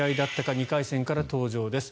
２回戦から登場です。